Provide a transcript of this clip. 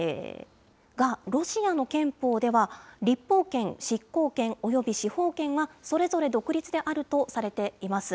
が、ロシアの憲法では立法権、執行権および司法権はそれぞれ独立であるとされています。